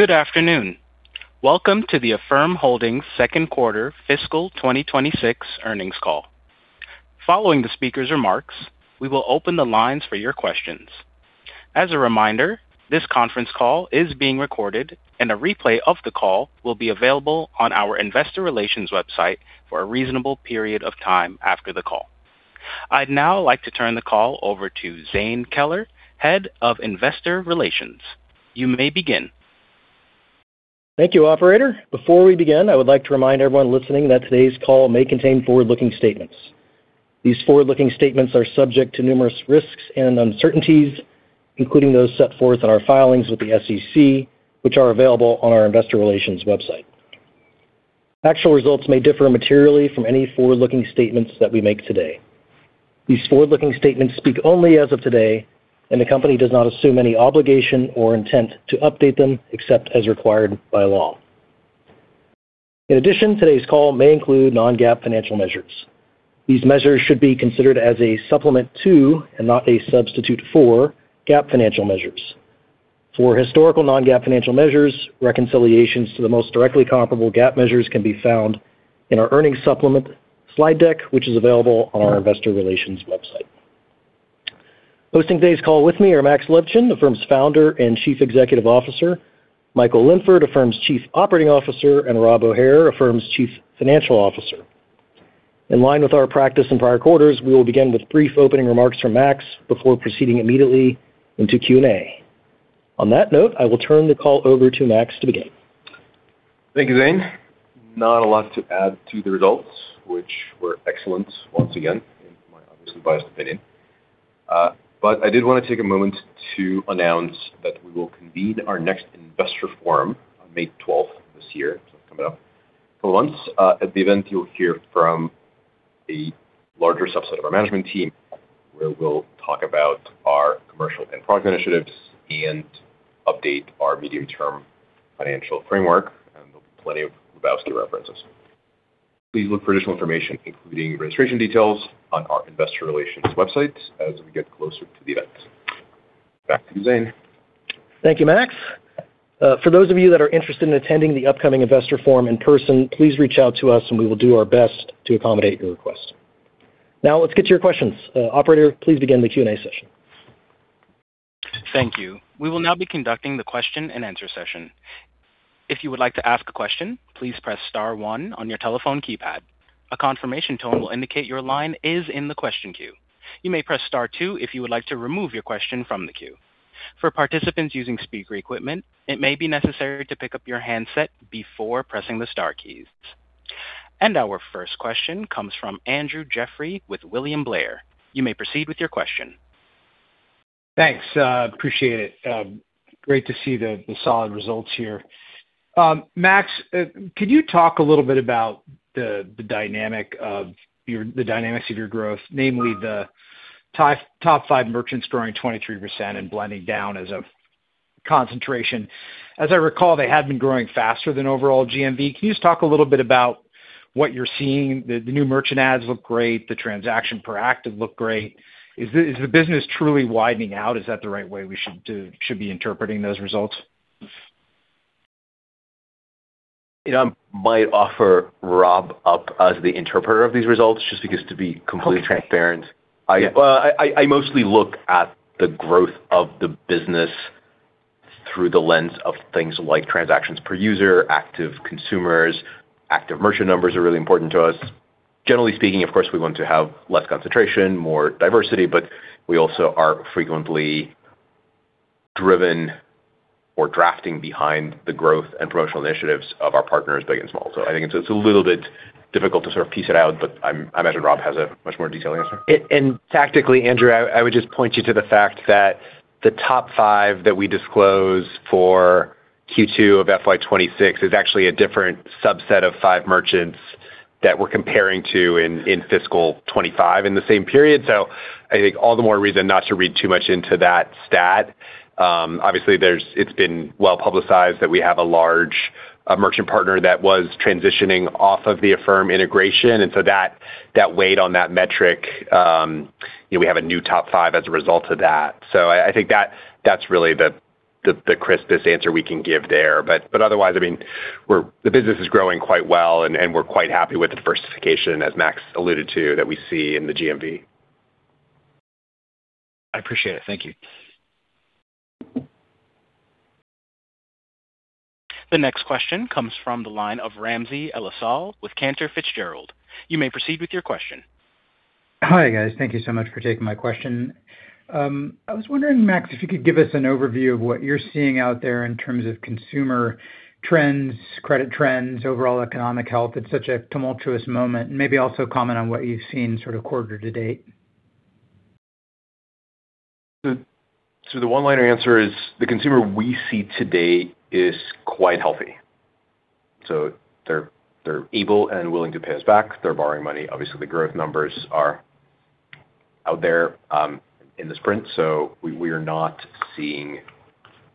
Good afternoon. Welcome to the Affirm Holdings' second quarter fiscal 2026 earnings call. Following the speaker's remarks, we will open the lines for your questions. As a reminder, this conference call is being recorded, and a replay of the call will be available on our investor relations website for a reasonable period of time after the call. I'd now like to turn the call over to Zane Keller, Head of Investor Relations. You may begin. Thank you, operator. Before we begin, I would like to remind everyone listening that today's call may contain forward-looking statements. These forward-looking statements are subject to numerous risks and uncertainties, including those set forth in our filings with the SEC, which are available on our investor relations website. Actual results may differ materially from any forward-looking statements that we make today. These forward-looking statements speak only as of today, and the company does not assume any obligation or intent to update them except as required by law. In addition, today's call may include non-GAAP financial measures. These measures should be considered as a supplement to, and not a substitute for, GAAP financial measures. For historical non-GAAP financial measures, reconciliations to the most directly comparable GAAP measures can be found in our earnings supplement slide deck, which is available on our investor relations website. Hosting today's call with me are Max Levchin, Affirm's Founder and Chief Executive Officer, Michael Linford, Affirm's Chief Operating Officer, and Rob O'Hare, Affirm's Chief Financial Officer. In line with our practice in prior quarters, we will begin with brief opening remarks from Max before proceeding immediately into Q&A. On that note, I will turn the call over to Max to begin. Thank you, Zane. Not a lot to add to the results, which were excellent once again, in my obviously biased opinion. But I did want to take a moment to announce that we will convene our next investor forum on May 12th this year, so it's coming up. For once, at the event, you'll hear from a larger subset of our management team, where we'll talk about our commercial and product initiatives and update our medium-term financial framework, and there'll be plenty of Lebowski references. Please look for additional information, including registration details, on our investor relations website as we get closer to the event. Back to you, Zane. Thank you, Max. For those of you that are interested in attending the upcoming investor forum in person, please reach out to us and we will do our best to accommodate your request. Now, let's get to your questions. Operator, please begin the Q&A session. Thank you. We will now be conducting the question-and-answer session. If you would like to ask a question, please press star one on your telephone keypad. A confirmation tone will indicate your line is in the question queue. You may press star two if you would like to remove your question from the queue. For participants using speaker equipment, it may be necessary to pick up your handset before pressing the star keys. And our first question comes from Andrew Jeffrey with William Blair. You may proceed with your question. Thanks, appreciate it. Great to see the solid results here. Max, could you talk a little bit about the dynamics of your growth, namely the top five merchants growing 23% and blending down as a concentration? As I recall, they had been growing faster than overall GMV. Can you just talk a little bit about what you're seeing? The new merchant adds look great, the transactions per active look great. Is the business truly widening out? Is that the right way we should be interpreting those results? You know, I might offer Rob up as the interpreter of these results, just because to be completely transparent. Okay. I mostly look at the growth of the business through the lens of things like transactions per user, active consumers, active merchant numbers are really important to us. Generally speaking, of course, we want to have less concentration, more diversity, but we also are frequently driven or drafting behind the growth and promotional initiatives of our partners, big and small. So I think it's a little bit difficult to sort of piece it out, but I imagine Rob has a much more detailed answer. And tactically, Andrew, I would just point you to the fact that the top five that we disclose for Q2 of FY 2026 is actually a different subset of five merchants that we're comparing to in fiscal 2025 in the same period. So I think all the more reason not to read too much into that stat. Obviously, there's, it's been well-publicized that we have a large merchant partner that was transitioning off of the Affirm integration, and so that weighed on that metric. You know, we have a new top five as a result of that. So I think that's really the crispest answer we can give there. But otherwise, I mean, we're, the business is growing quite well, and we're quite happy with the diversification, as Max alluded to, that we see in the GMV. I appreciate it. Thank you. The next question comes from the line of Ramsey El-Assal with Cantor Fitzgerald. You may proceed with your question. Hi, guys. Thank you so much for taking my question. I was wondering, Max, if you could give us an overview of what you're seeing out there in terms of consumer trends, credit trends, overall economic health. It's such a tumultuous moment. Maybe also comment on what you've seen sort of quarter-to-date. So the one-liner answer is, the consumer we see today is quite healthy, so they're able and willing to pay us back. They're borrowing money. Obviously, the growth numbers are out there in the sprint, so we are not seeing...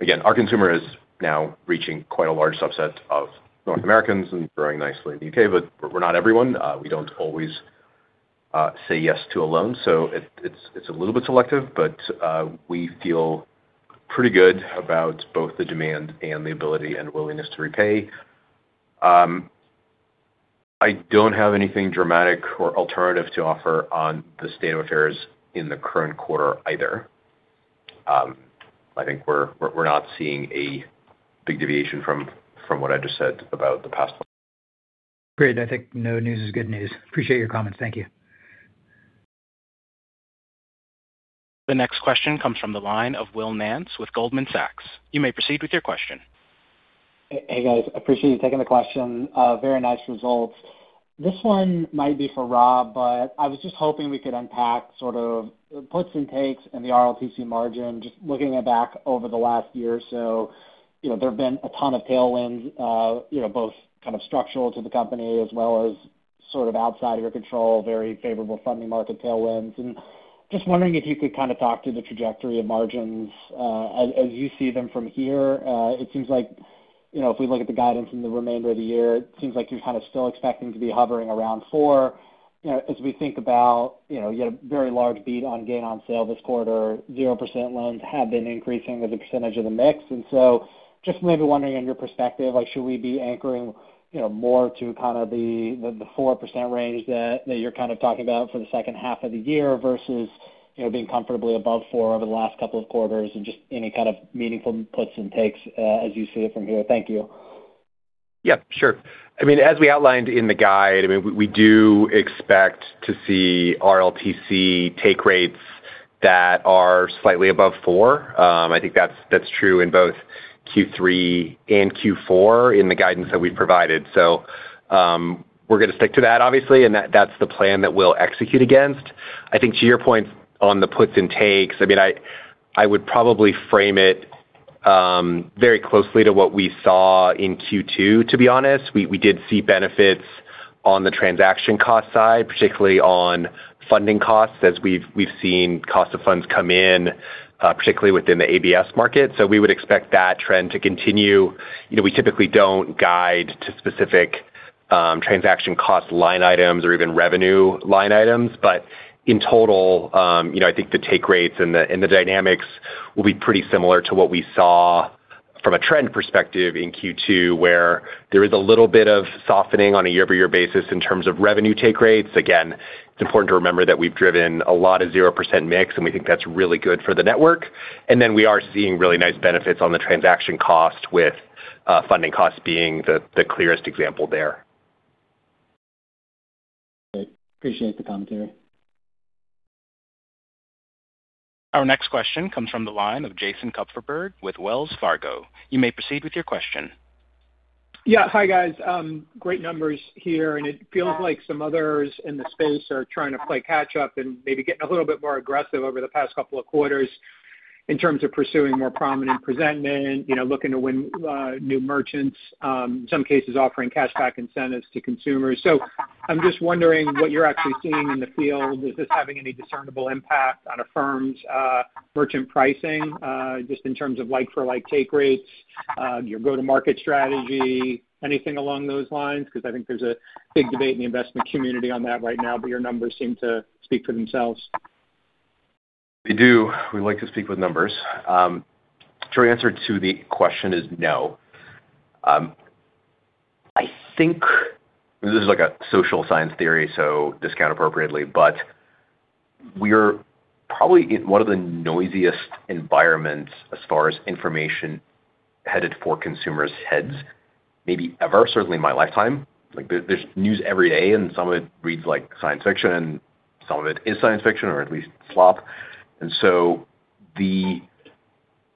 Again, our consumer is now reaching quite a large subset of North Americans and growing nicely in the U.K., but we're not everyone. We don't always say yes to a loan. So it's a little bit selective, but we feel pretty good about both the demand and the ability and willingness to repay. I don't have anything dramatic or alternative to offer on the state of affairs in the current quarter either. I think we're not seeing a big deviation from what I just said about the past one. Great. I think no news is good news. Appreciate your comments. Thank you. The next question comes from the line of Will Nance with Goldman Sachs. You may proceed with your question. Hey, guys, appreciate you taking the question. Very nice results. This one might be for Rob, but I was just hoping we could unpack sort of puts and takes in the RLTC margin, just looking back over the last year or so. You know, there have been a ton of tailwinds, you know, both kind of structural to the company as well as sort of outside of your control, very favorable funding market tailwinds. And just wondering if you could kind of talk through the trajectory of margins, as you see them from here. It seems like, you know, if we look at the guidance in the remainder of the year, it seems like you're kind of still expecting to be hovering around 4%. You know, as we think about, you know, you had a very large beat on gain on sale this quarter, 0% loans have been increasing with the percentage of the mix. And so just maybe wondering on your perspective, like, should we be anchoring, you know, more to kind of the, the, the 4% range that, that you're kind of talking about for the second half of the year versus, you know, being comfortably above 4% over the last couple of quarters? And just any kind of meaningful puts and takes, as you see it from here. Thank you. Yeah, sure. I mean, as we outlined in the guide, I mean, we do expect to see RLTC take rates that are slightly above 4%. I think that's true in both Q3 and Q4 in the guidance that we've provided. So, we're gonna stick to that, obviously, and that's the plan that we'll execute against. I think to your point on the puts and takes, I mean, I would probably frame it very closely to what we saw in Q2, to be honest. We did see benefits on the transaction cost side, particularly on funding costs, as we've seen cost of funds come in, particularly within the ABS market. So we would expect that trend to continue. You know, we typically don't guide to specific transaction cost line items or even revenue line items. But in total, you know, I think the take rates and the dynamics will be pretty similar to what we saw from a trend perspective in Q2, where there is a little bit of softening on a year-over-year basis in terms of revenue take rates. Again, it's important to remember that we've driven a lot of 0% mix, and we think that's really good for the network. And then we are seeing really nice benefits on the transaction cost with funding costs being the clearest example there. Great. Appreciate the commentary. Our next question comes from the line of Jason Kupferberg with Wells Fargo. You may proceed with your question. Yeah. Hi, guys. Great numbers here, and it feels like some others in the space are trying to play catch up and maybe getting a little bit more aggressive over the past couple of quarters in terms of pursuing more prominent presenting, you know, looking to win, new merchants, in some cases, offering cash back incentives to consumers. So I'm just wondering what you're actually seeing in the field. Is this having any discernible impact on Affirm's merchant pricing, just in terms of like-for-like take rates, your go-to-market strategy, anything along those lines? Because I think there's a big debate in the investment community on that right now, but your numbers seem to speak for themselves. We do. We like to speak with numbers. Short answer to the question is no. I think this is like a social science theory, so discount appropriately, but we're probably in one of the noisiest environments as far as information headed for consumers' heads, maybe ever, certainly in my lifetime. Like, there's news every day, and some of it reads like science fiction, and some of it is science fiction, or at least slop. And so the...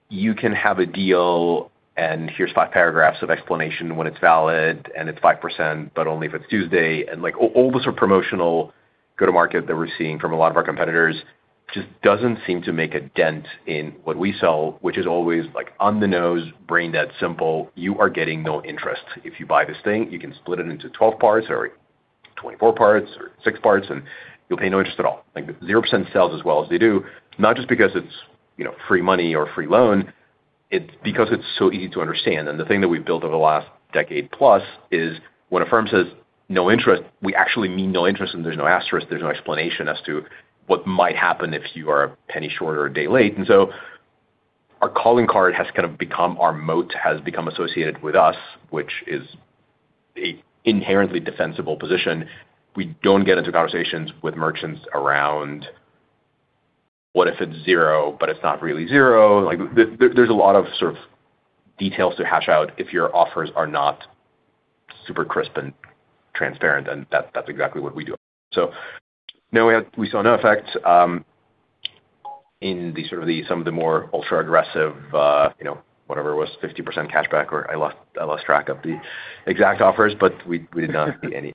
You can have a deal, and here's five paragraphs of explanation when it's valid, and it's 5%, but only if it's Tuesday. And, like, all the sort of promotional go-to-market that we're seeing from a lot of our competitors just doesn't seem to make a dent in what we sell, which is always, like, on the nose, brain dead simple. You are getting no interest. If you buy this thing, you can split it into 12 parts or 24 parts or six parts, and you'll pay no interest at all. Like, 0% sells as well as they do, not just because it's, you know, free money or free loan, it's because it's so easy to understand. The thing that we've built over the last decade plus is when a firm says no interest, we actually mean no interest, and there's no asterisk, there's no explanation as to what might happen if you are a penny short or a day late. So our calling card has kind of become our moat, has become associated with us, which is an inherently defensible position. We don't get into conversations with merchants around what if it's zero, but it's not really zero? Like, there, there's a lot of sort of details to hash out if your offers are not super crisp and transparent, and that's exactly what we do. So no, we saw no effect in sort of the some of the more ultra-aggressive, you know, whatever it was, 50% cashback or I lost track of the exact offers, but we did not see any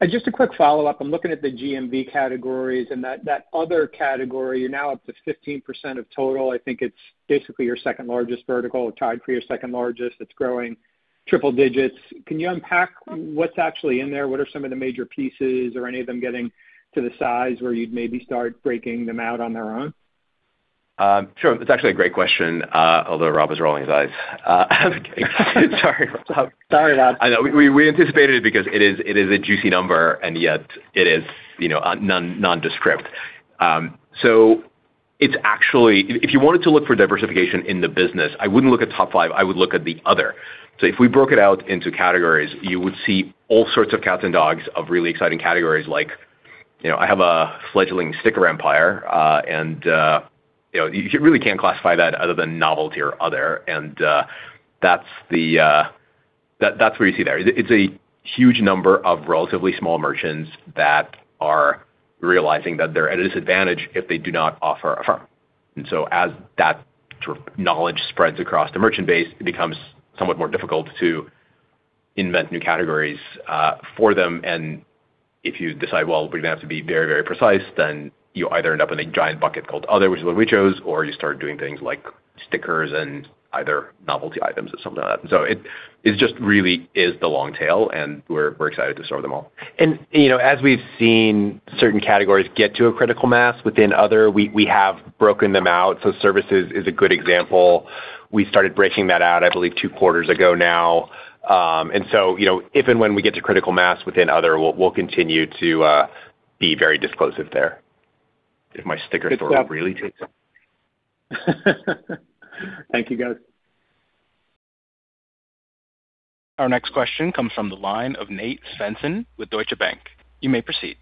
effect. Just a quick follow-up. I'm looking at the GMV categories and that, that other category, you're now up to 15% of total. I think it's basically your second largest vertical, tied for your second largest. It's growing triple digits. Can you unpack what's actually in there? What are some of the major pieces or any of them getting to the size where you'd maybe start breaking them out on their own? ... Sure. That's actually a great question, although Rob is rolling his eyes. Sorry, Rob. Sorry, Rob. I know. We anticipated it because it is a juicy number, and yet it is, you know, nondescript. So it's actually, if you wanted to look for diversification in the business, I wouldn't look at top five, I would look at the other. So if we broke it out into categories, you would see all sorts of cats and dogs of really exciting categories like, you know, I have a fledgling sticker empire, and, you know, you really can't classify that other than novelty or other. That's what you see there. It's a huge number of relatively small merchants that are realizing that they're at a disadvantage if they do not offer Affirm. As that sort of knowledge spreads across the merchant base, it becomes somewhat more difficult to invent new categories for them. And if you decide, well, we're gonna have to be very, very precise, then you either end up in a giant bucket called other, which is what we chose, or you start doing things like stickers and either novelty items or something like that. So it just really is the long tail, and we're excited to serve them all. And, you know, as we've seen certain categories get to a critical mass within other, we have broken them out. So services is a good example. We started breaking that out, I believe, two quarters ago now. And so, you know, if and when we get to critical mass within other, we'll continue to be very disclosive there. If my sticker store really takes off. Thank you, guys. Our next question comes from the line of Nate Svensson with Deutsche Bank. You may proceed.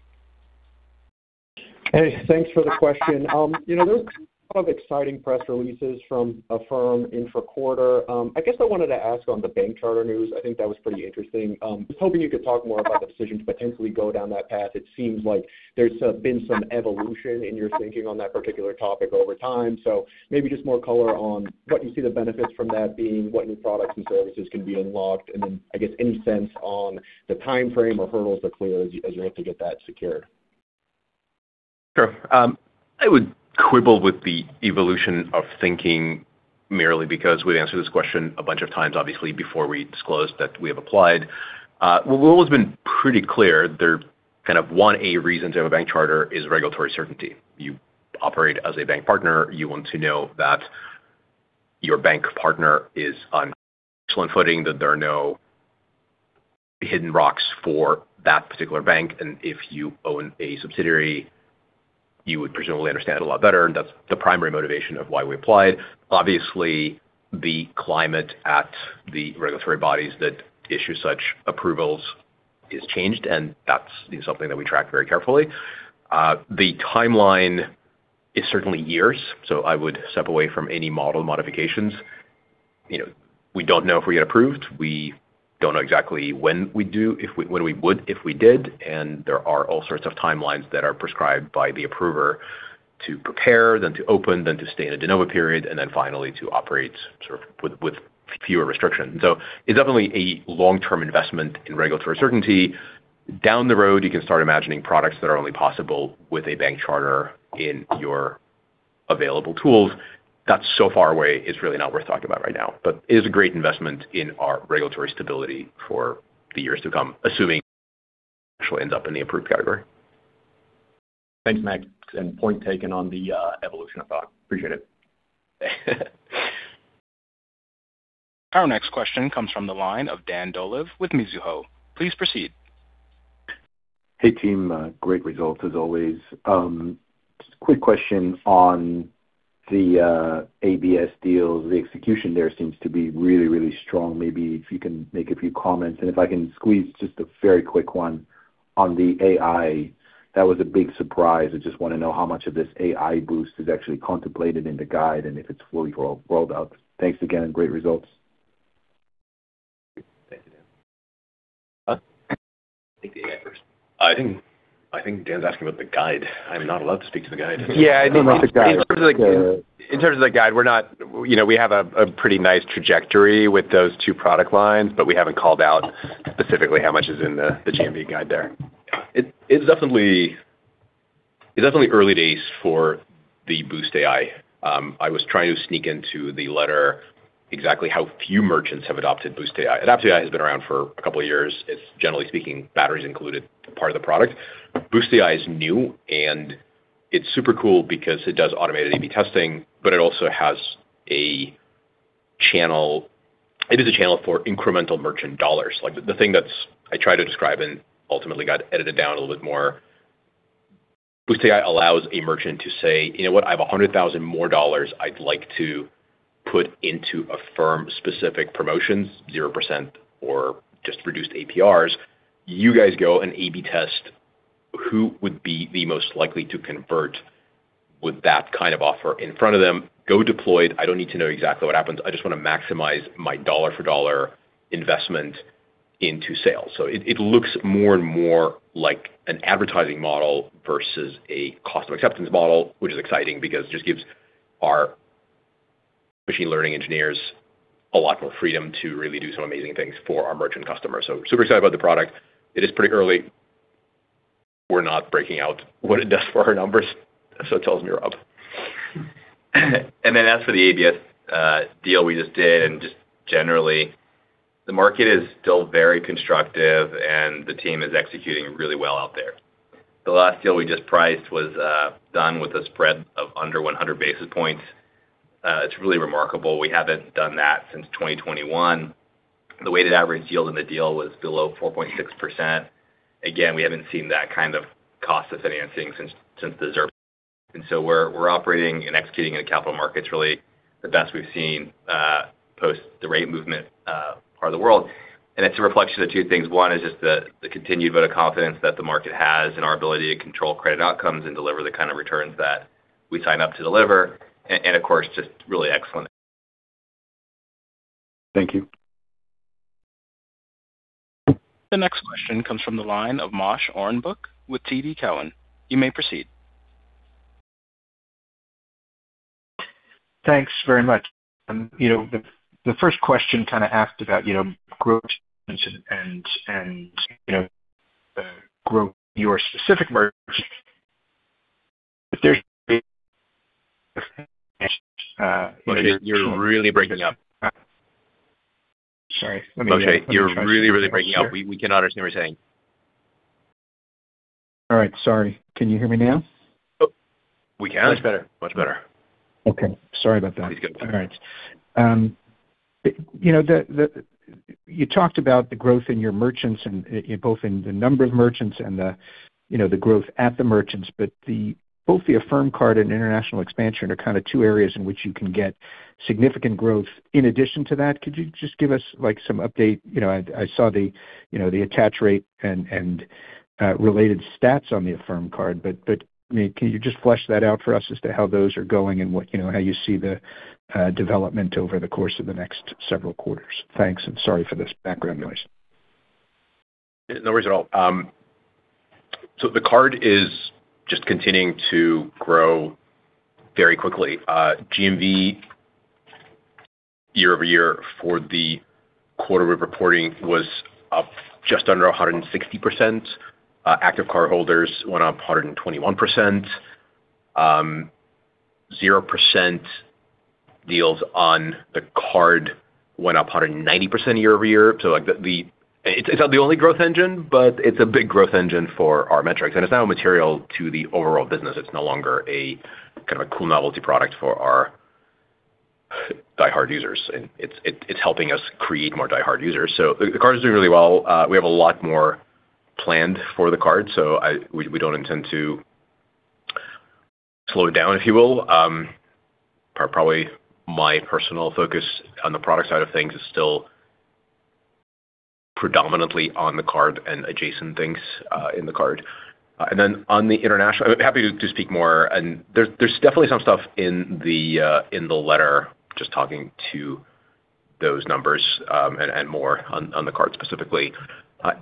Hey, thanks for the question. You know, there's a lot of exciting press releases from Affirm intra-quarter. I guess I wanted to ask on the bank charter news. I think that was pretty interesting. I was hoping you could talk more about the decision to potentially go down that path. It seems like there's been some evolution in your thinking on that particular topic over time. So maybe just more color on what you see the benefits from that being, what new products and services can be unlocked, and then, I guess, any sense on the timeframe or hurdles to clear as you, as you look to get that secured. Sure. I would quibble with the evolution of thinking merely because we've answered this question a bunch of times, obviously, before we disclosed that we have applied. We've always been pretty clear, they're kind of one, a reason to have a bank charter is regulatory certainty. You operate as a bank partner, you want to know that your bank partner is on excellent footing, that there are no hidden rocks for that particular bank, and if you own a subsidiary, you would presumably understand it a lot better, and that's the primary motivation of why we applied. Obviously, the climate at the regulatory bodies that issue such approvals has changed, and that's something that we track very carefully. The timeline is certainly years, so I would step away from any model modifications. You know, we don't know if we get approved. We don't know exactly when we would, if we did, and there are all sorts of timelines that are prescribed by the approver to prepare, then to open, then to stay in a de novo period, and then finally to operate sort of with fewer restrictions. So it's definitely a long-term investment in regulatory certainty. Down the road, you can start imagining products that are only possible with a bank charter in your available tools. That's so far away, it's really not worth talking about right now. But it is a great investment in our regulatory stability for the years to come, assuming it actually ends up in the approved category. Thanks, Max, and point taken on the evolution of thought. Appreciate it. Our next question comes from the line of Dan Dolev with Mizuho. Please proceed. Hey, team, great results as always. Just a quick question on the ABS deals. The execution there seems to be really, really strong. Maybe if you can make a few comments, and if I can squeeze just a very quick one on the AI. That was a big surprise. I just want to know how much of this AI boost is actually contemplated in the guide and if it's fully rolled, rolled out. Thanks again, and great results. Thank you. Take the AI first. I think, I think Dan's asking about the guide. I'm not allowed to speak to the guide. Yeah, I think in terms of the guide, we're not... You know, we have a pretty nice trajectory with those two product lines, but we haven't called out specifically how much is in the GMV guide there. It's definitely, it's definitely early days for the Boost AI. I was trying to sneak into the letter exactly how few merchants have adopted Boost AI. AdaptAI has been around for a couple of years. It's generally speaking, batteries included part of the product. Boost AI is new, and it's super cool because it does automated AB testing, but it also has a channel. It is a channel for incremental merchant dollars. Like, the thing that's, I tried to describe and ultimately got edited down a little bit more, Boost AI allows a merchant to say: You know what? I have $100,000 more dollars I'd like to put into Affirm-specific promotions, 0% or just reduced APRs. You guys go and AB test who would be the most likely to convert with that kind of offer in front of them. Go deploy it. I don't need to know exactly what happens. I just want to maximize my dollar-for-dollar investment into sales. So it looks more and more like an advertising model versus a cost of acceptance model, which is exciting because it just gives our machine learning engineers a lot more freedom to really do some amazing things for our merchant customers. So super excited about the product. It is pretty early. We're not breaking out what it does for our numbers, so tell me, Rob. Then, as for the ABS deal we just did, and just generally-... The market is still very constructive, and the team is executing really well out there. The last deal we just priced was done with a spread of under 100 basis points. It's really remarkable. We haven't done that since 2021. The weighted average yield in the deal was below 4.6%. Again, we haven't seen that kind of cost of financing since the reserve. And so we're operating and executing in the capital markets really the best we've seen post the rate movement part of the world. And it's a reflection of two things. One is just the continued vote of confidence that the market has in our ability to control credit outcomes and deliver the kind of returns that we sign up to deliver, and of course, just really excellent. Thank you. The next question comes from the line of Moshe Orenbuch with TD Cowen. You may proceed. Thanks very much. You know, the first question kind of asked about, you know, growth and, you know, grow your specific merge. But there's You're really breaking up. Sorry. Let me- Okay. You're really, really breaking up. We cannot understand what you're saying. All right. Sorry. Can you hear me now? Oh, we can. Much better. Much better. Okay. Sorry about that. It's good. All right. You know, you talked about the growth in your merchants and both in the number of merchants and the, you know, the growth at the merchants. But both the Affirm Card and international expansion are kind of two areas in which you can get significant growth. In addition to that, could you just give us, like, some update? You know, I saw the, you know, the attach rate and related stats on the Affirm Card, but I mean, can you just flesh that out for us as to how those are going and what, you know, how you see the development over the course of the next several quarters? Thanks, and sorry for this background noise. No worries at all. So the card is just continuing to grow very quickly. GMV year-over-year for the quarter we're reporting was up just under 160%. Active cardholders went up 121%. 0% deals on the card went up 190% year-over-year. So, like, it's not the only growth engine, but it's a big growth engine for our metrics, and it's now material to the overall business. It's no longer a kind of a cool novelty product for our diehard users, and it's helping us create more diehard users. So the card is doing really well. We have a lot more planned for the card, so we don't intend to slow it down, if you will. Probably my personal focus on the product side of things is still predominantly on the card and adjacent things in the card. And then on the international, I'm happy to speak more. And there's definitely some stuff in the letter, just talking to those numbers, and more on the card specifically.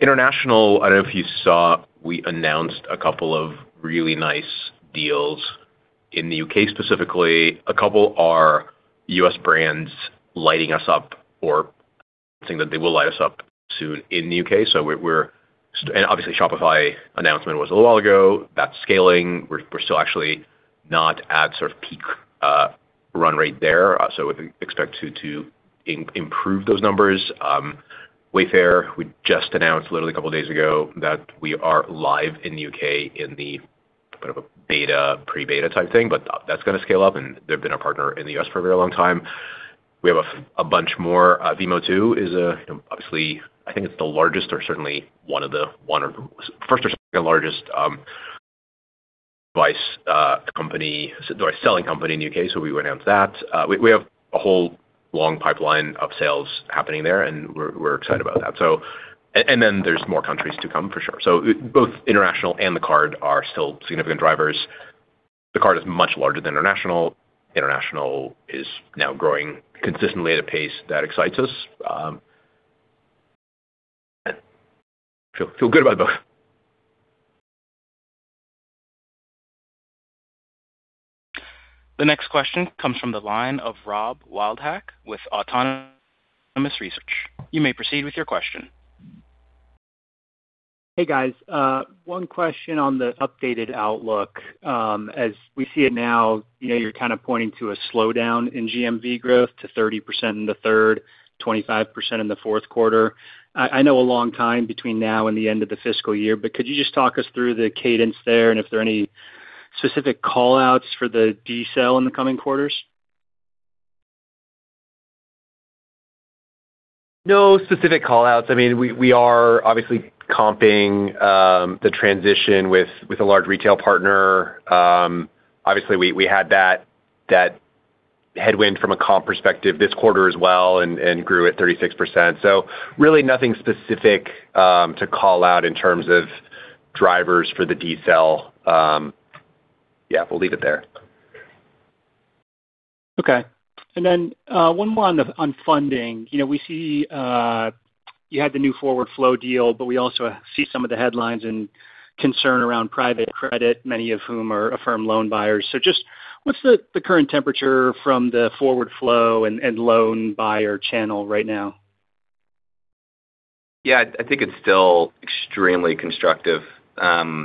International, I don't know if you saw, we announced a couple of really nice deals in the U.K., specifically. A couple are U.S. brands lighting us up or something that they will light us up soon in the U.K. So we're, and obviously, Shopify announcement was a little while ago. That's scaling. We're still actually not at sort of peak run rate there, so we expect to improve those numbers. Wayfair, we just announced literally a couple of days ago that we are live in the U.K. in the kind of a beta, pre-beta type thing, but that's gonna scale up, and they've been a partner in the U.S. for a very long time. We have a bunch more. VMO2 is, obviously, I think it's the largest or certainly one of the, one of first or second largest, device company, device selling company in the U.K., so we announced that. We have a whole long pipeline of sales happening there, and we're excited about that. So, and then there's more countries to come, for sure. So both international and the card are still significant drivers. The card is much larger than international. International is now growing consistently at a pace that excites us. Feel good about both. The next question comes from the line of Rob Wildhack with Autonomous Research. You may proceed with your question. Hey, guys. One question on the updated outlook. As we see it now, you know, you're kind of pointing to a slowdown in GMV growth to 30% in the third, 25% in the fourth quarter. I know a long time between now and the end of the fiscal year, but could you just talk us through the cadence there, and if there are any specific call-outs for the decel in the coming quarters? No specific call-outs. I mean, we are obviously comping the transition with a large retail partner. Obviously we had that headwind from a comp perspective this quarter as well and grew at 36%. So really nothing specific to call out in terms of drivers for the decel. Yeah, we'll leave it there. Okay. And then, one more on funding. You know, we see, you had the new forward flow deal, but we also see some of the headlines and concern around private credit, many of whom are Affirm loan buyers. So just what's the current temperature from the forward flow and loan buyer channel right now?... Yeah, I think it's still extremely constructive. I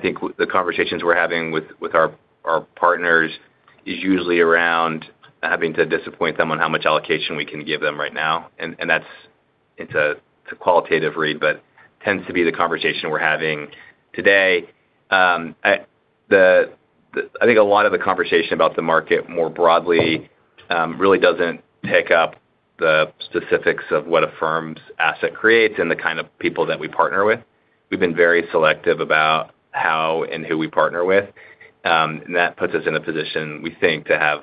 think the conversations we're having with our partners is usually around having to disappoint them on how much allocation we can give them right now. And that's a qualitative read, but tends to be the conversation we're having today. I think a lot of the conversation about the market more broadly really doesn't pick up the specifics of what Affirm's asset creates and the kind of people that we partner with. We've been very selective about how and who we partner with, and that puts us in a position, we think, to have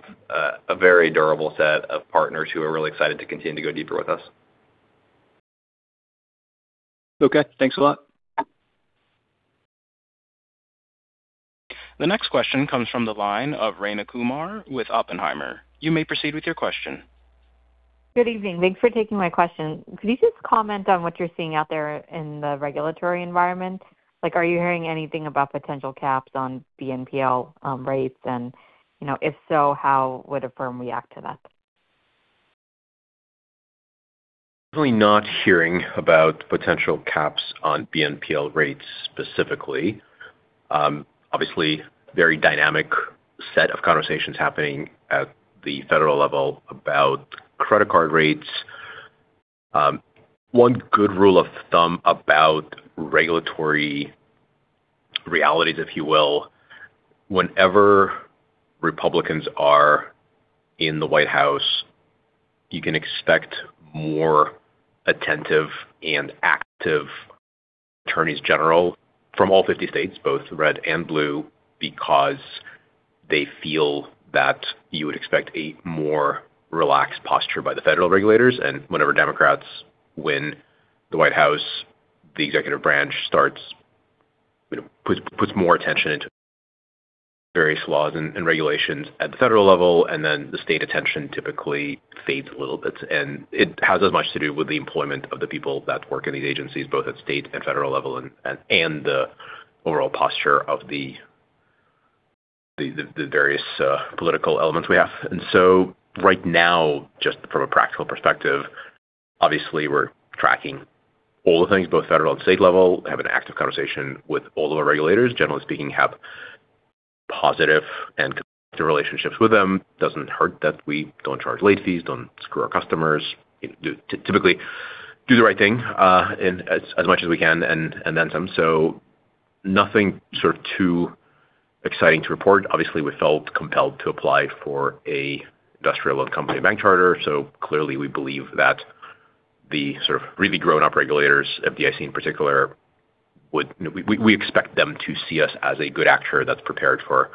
a very durable set of partners who are really excited to continue to go deeper with us. Okay, thanks a lot. The next question comes from the line of Rayna Kumar with Oppenheimer. You may proceed with your question. Good evening. Thanks for taking my question. Could you just comment on what you're seeing out there in the regulatory environment? Like, are you hearing anything about potential caps on BNPL rates? And, you know, if so, how would Affirm react to that? We're not hearing about potential caps on BNPL rates specifically. Obviously, very dynamic set of conversations happening at the federal level about credit card rates. One good rule of thumb about regulatory realities, if you will, whenever Republicans are in the White House, you can expect more attentive and active attorneys general from all 50 states, both red and blue, because they feel that you would expect a more relaxed posture by the federal regulators. And whenever Democrats win the White House, the executive branch starts, you know, puts more attention into various laws and regulations at the federal level, and then the state attention typically fades a little bit. It has as much to do with the employment of the people that work in these agencies, both at state and federal level, and the overall posture of the various political elements we have. So right now, just from a practical perspective, obviously, we're tracking all the things, both federal and state level, have an active conversation with all of our regulators. Generally speaking, we have positive relationships with them. Doesn't hurt that we don't charge late fees, don't screw our customers, typically do the right thing, and as much as we can and then some. Nothing sort of too exciting to report. Obviously, we felt compelled to apply for an industrial loan company bank charter, so clearly we believe that the sort of really grown-up regulators, FDIC in particular, would... We expect them to see us as a good actor that's prepared for,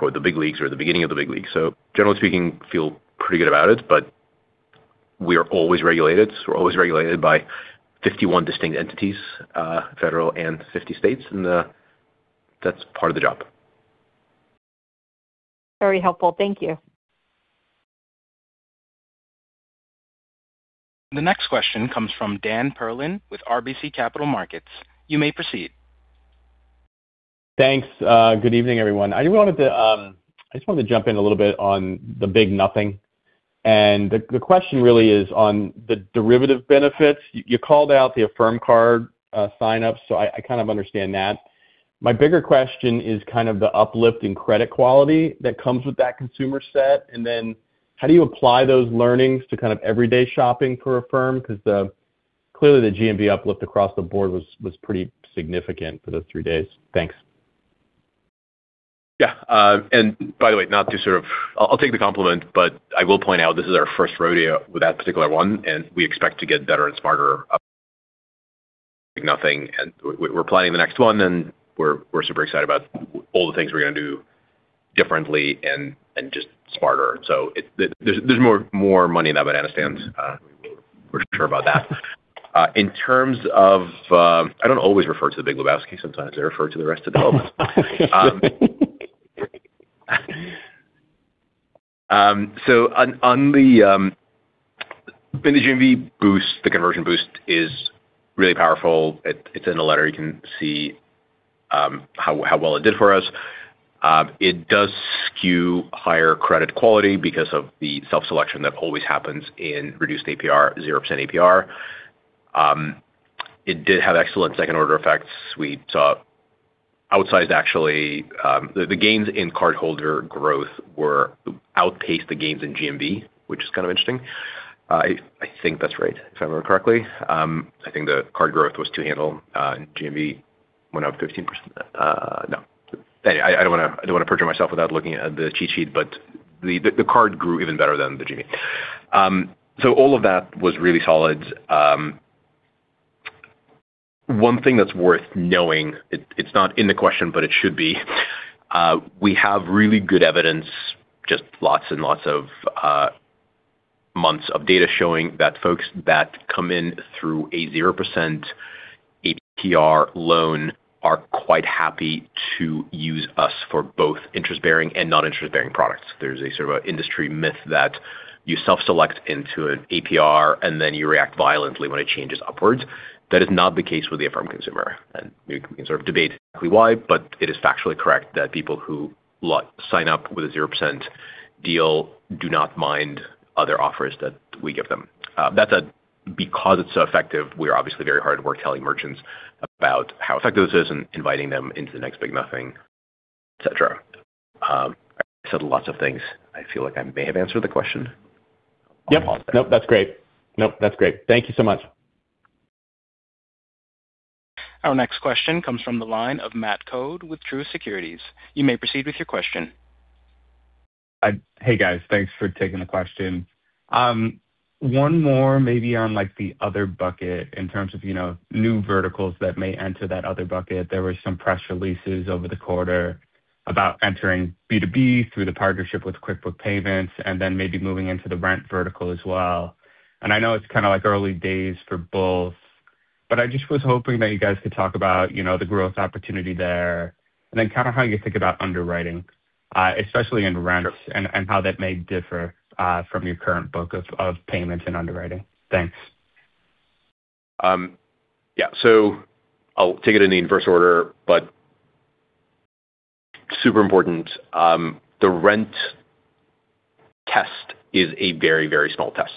"the big leagues or the beginning of the big leagues." So generally speaking, feel pretty good about it, but we are always regulated. So we're always regulated by 51 distinct entities, federal and 50 states, and that's part of the job. Very helpful. Thank you. The next question comes from Dan Perlin with RBC Capital Markets. You may proceed. Thanks. Good evening, everyone. I wanted to, I just wanted to jump in a little bit on the big nothing. And the question really is on the derivative benefits. You called out the Affirm Card sign-ups, so I kind of understand that. My bigger question is kind of the uplift in credit quality that comes with that consumer set, and then how do you apply those learnings to kind of everyday shopping for Affirm? Because clearly, the GMV uplift across the board was pretty significant for those three days. Thanks. Yeah, and by the way, not to sort of... I'll take the compliment, but I will point out this is our first rodeo with that particular one, and we expect to get better and smarter, and we're planning the next one, and we're super excited about all the things we're gonna do differently and just smarter. So it-- there's more money in that banana stand, we're sure about that. In terms of, I don't always refer to the Big Lebowski. Sometimes I refer to the rest of the elements. So on the, in the GMV boost, the conversion boost is really powerful. It's in the letter. You can see how well it did for us. It does skew higher credit quality because of the self-selection that always happens in reduced APR, 0% APR. It did have excellent second-order effects. We saw outsized, actually, the gains in cardholder growth outpaced the gains in GMV, which is kind of interesting. I think that's right, if I remember correctly. I think the card growth was two handle, and GMV went up 15%. No. I don't wanna perjure myself without looking at the cheat sheet, but the card grew even better than the GMV. So all of that was really solid. One thing that's worth knowing, it's not in the question, but it should be. We have really good evidence, just lots and lots of months of data showing that folks that come in through a 0% APR loan are quite happy to use us for both interest-bearing and non-interest-bearing products. There's a sort of an industry myth that you self-select into an APR, and then you react violently when it changes upwards. That is not the case with the Affirm consumer, and we can sort of debate exactly why, but it is factually correct that people who sign up with a 0% deal do not mind other offers that we give them. That's because it's so effective, we are obviously very hard at work telling merchants about how effective this is and inviting them into the next big nothing, et cetera. I said lots of things. I feel like I may have answered the question. Yep. Nope, that's great. Nope, that's great. Thank you so much. Our next question comes from the line of Matt Coad with Truist Securities. You may proceed with your question. Hey, guys. Thanks for taking the question. One more maybe on, like, the other bucket in terms of, you know, new verticals that may enter that other bucket. There were some press releases over the quarter about entering B2B through the partnership with QuickBooks Payments, and then maybe moving into the rent vertical as well. And I know it's kind of, like, early days for both, but I just was hoping that you guys could talk about, you know, the growth opportunity there, and then kind of how you think about underwriting, especially in rent, and how that may differ from your current book of payments and underwriting. Thanks. Yeah. So I'll take it in the inverse order, but super important, the rent test is a very, very small test.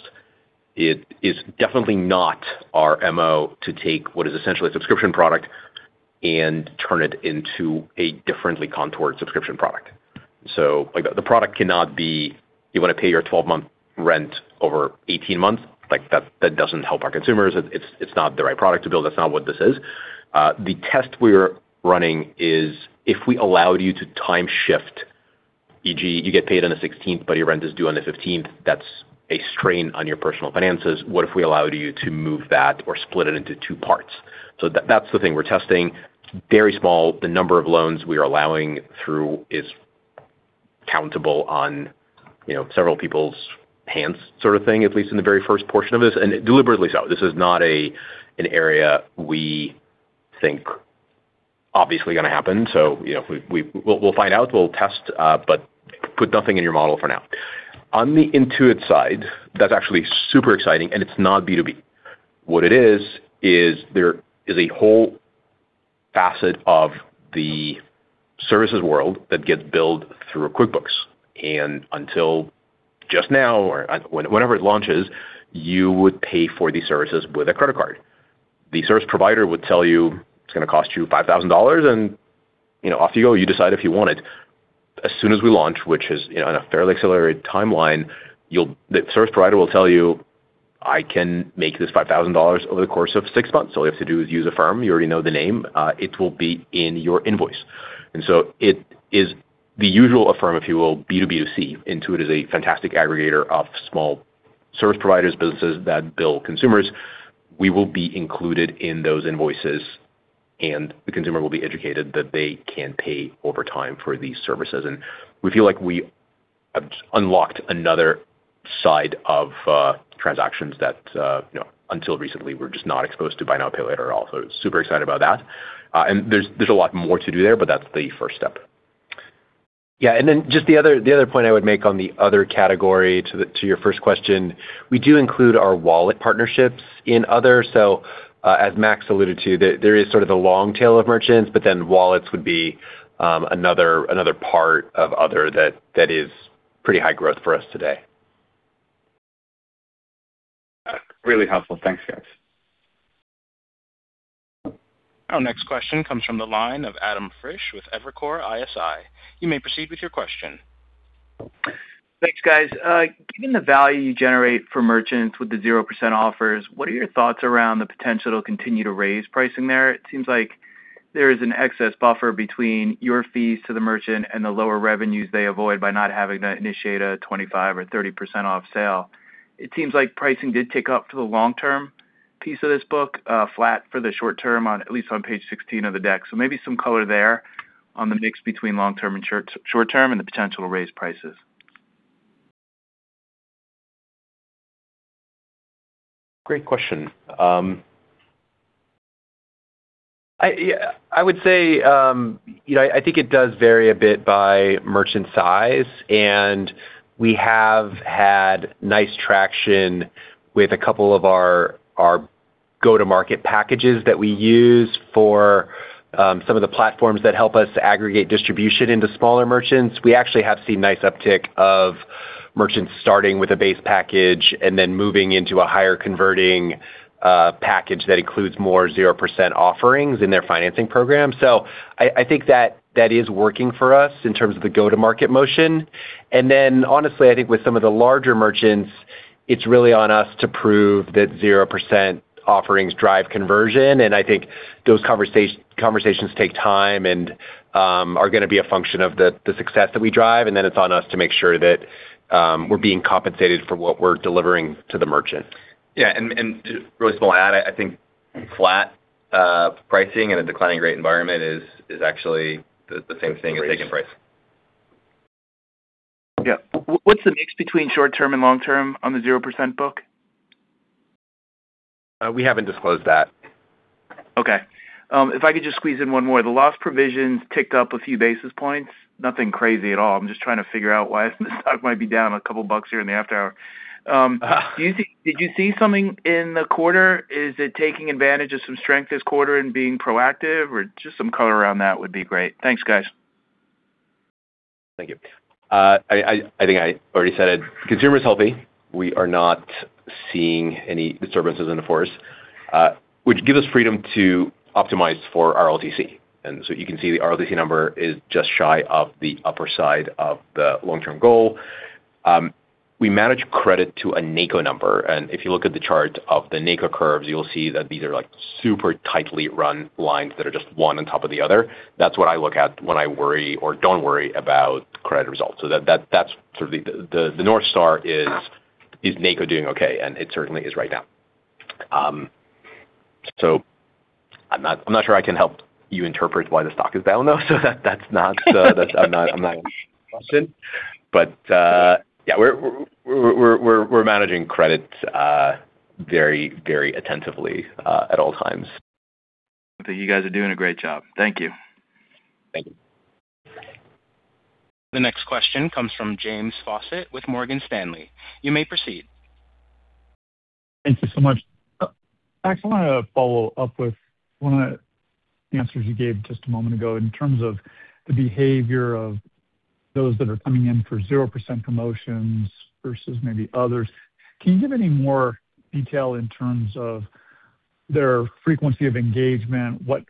It is definitely not our MO to take what is essentially a subscription product and turn it into a differently contoured subscription product. So, like, the product cannot be, you want to pay your 12-month rent over 18 months, like, that, that doesn't help our consumers. It's, it's not the right product to build. That's not what this is. The test we're running is, if we allowed you to time shift, e.g., you get paid on the 16th, but your rent is due on the 15th, that's a strain on your personal finances. What if we allowed you to move that or split it into two parts? So that, that's the thing we're testing. Very small. The number of loans we are allowing through is countable on, you know, several people's hands, sort of thing, at least in the very first portion of this, and deliberately so. This is not an area we think obviously going to happen. So, you know, we'll find out, we'll test, but put nothing in your model for now. On the Intuit side, that's actually super exciting, and it's not B2B. What it is, is there is a whole facet of the services world that gets billed through QuickBooks, and until just now, or whenever it launches, you would pay for these services with a credit card. The service provider would tell you, "It's going to cost you $5,000," and, you know, off you go, you decide if you want it. As soon as we launch, which is, you know, on a fairly accelerated timeline, you'll, the service provider will tell you, "I can make this $5,000 over the course of six months. All you have to do is use Affirm. You already know the name." It will be in your invoice. And so it is the usual Affirm, if you will, B2B2C. Intuit is a fantastic aggregator of small service providers, businesses that bill consumers. We will be included in those invoices, and the consumer will be educated that they can pay over time for these services. And we feel like we have unlocked another side of, transactions that, you know, until recently, were just not exposed to buy now, pay later at all. Super excited about that. There's a lot more to do there, but that's the first step. Yeah, and then just the other point I would make on the other category to the—to your first question, we do include our wallet partnerships in other. So, as Max alluded to, there is sort of the long tail of merchants, but then wallets would be another part of other that is pretty high growth for us today. Really helpful. Thanks, guys. Our next question comes from the line of Adam Frisch with Evercore ISI. You may proceed with your question. Thanks, guys. Given the value you generate for merchants with the 0% offers, what are your thoughts around the potential to continue to raise pricing there? It seems like there is an excess buffer between your fees to the merchant and the lower revenues they avoid by not having to initiate a 25% or 30% off sale. It seems like pricing did tick up for the long-term piece of this book, flat for the short term on, at least on page 16 of the deck. So maybe some color there on the mix between long term and short term and the potential to raise prices. Great question. I, yeah, I would say, you know, I think it does vary a bit by merchant size, and we have had nice traction with a couple of our, our go-to-market packages that we use for, some of the platforms that help us aggregate distribution into smaller merchants. We actually have seen nice uptick of merchants starting with a base package and then moving into a higher-converting package that includes more 0% offerings in their financing program. So I, I think that that is working for us in terms of the go-to-market motion. And then, honestly, I think with some of the larger merchants, it's really on us to prove that 0% offerings drive conversion. I think those conversations take time and are going to be a function of the success that we drive, and then it's on us to make sure that we're being compensated for what we're delivering to the merchant. Yeah, and just really small add, I think flat pricing in a declining rate environment is actually the same thing as taking price. Yeah. What's the mix between short term and long term on the 0% book? We haven't disclosed that.... Okay. If I could just squeeze in one more. The loss provisions ticked up a few basis points. Nothing crazy at all. I'm just trying to figure out why the stock might be down a couple bucks here in the after-hours. Do you think—did you see something in the quarter? Is it taking advantage of some strength this quarter and being proactive, or just some color around that would be great? Thanks, guys. Thank you. I think I already said it. Consumer is healthy. We are not seeing any disturbances in the forest, which gives us freedom to optimize for RLTC. So you can see the RLTC number is just shy of the upper side of the long-term goal. We manage credit to a NCO number, and if you look at the chart of the NCO curves, you'll see that these are, like, super tightly run lines that are just one on top of the other. That's what I look at when I worry or don't worry about credit results. So that's sort of the North Star is NCO doing okay? And it certainly is right now. So I'm not sure I can help you interpret why the stock is down, though. So that's not... But yeah, we're managing credit very, very attentively at all times. I think you guys are doing a great job. Thank you. Thank you. The next question comes from James Fawcett with Morgan Stanley. You may proceed. Thank you so much. Max, I wanna follow up with one of the answers you gave just a moment ago. In terms of the behavior of those that are coming in for 0% promotions versus maybe others, can you give any more detail in terms of their frequency of engagement, what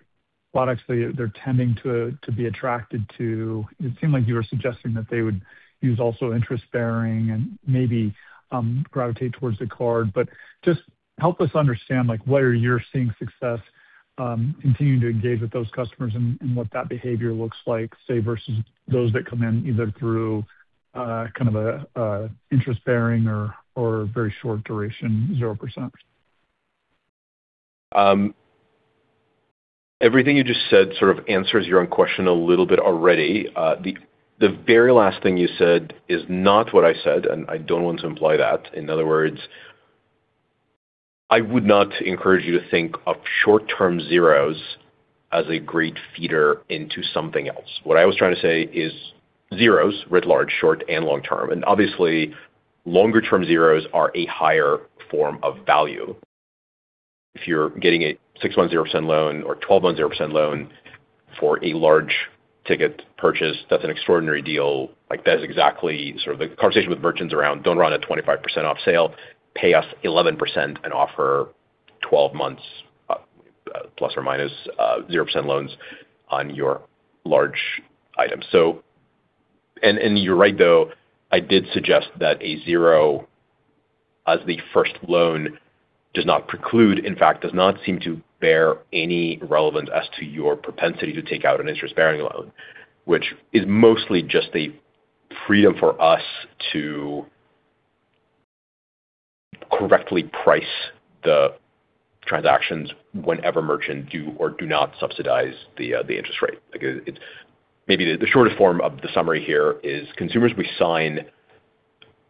products they, they're tending to be attracted to? It seemed like you were suggesting that they would use also interest bearing and maybe gravitate towards the card. But just help us understand, like, where you're seeing success continuing to engage with those customers and what that behavior looks like, say, versus those that come in either through kind of a interest bearing or very short duration, 0%. Everything you just said sort of answers your own question a little bit already. The very last thing you said is not what I said, and I don't want to imply that. In other words, I would not encourage you to think of short-term zeros as a great feeder into something else. What I was trying to say is zeros, writ large, short and long term, and obviously longer-term zeros, are a higher form of value. If you're getting a six-month 0% loan or 12-month 0% loan for a large ticket purchase, that's an extraordinary deal. Like, that is exactly sort of the conversation with merchants around, "Don't run a 25% off sale. Pay us 11% and offer 12 months ± 0% loans on your large items." You're right, though, I did suggest that a 0% as the first loan does not preclude, in fact, does not seem to bear any relevance as to your propensity to take out an interest-bearing loan, which is mostly just a freedom for us to correctly price the transactions whenever merchants do or do not subsidize the interest rate. Like, it maybe the shortest form of the summary here is consumers we sign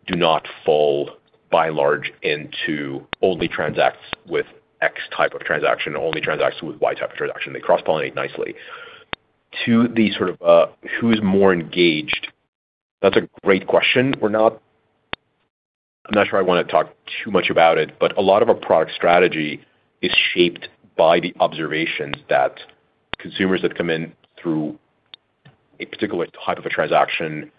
do not fall, by and large, into only transacts with X type of transaction or only transacts with Y type of transaction. They cross-pollinate nicely. To the sort of who is more engaged, that's a great question. We're not. I'm not sure I wanna talk too much about it, but a lot of our product strategy is shaped by the observations that consumers that come in through a particular type of a transaction